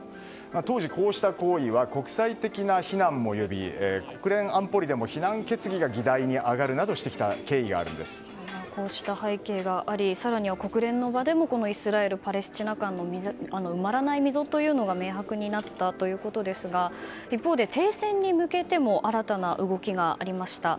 当時、こうした行為は国際的な非難を呼び国連安保理でも非難決議がこうした背景があり更には国連の場でもイスラエルとパレスチナ間の埋まらない溝が明白になったということですが一方で停戦に向けても新たな動きがありました。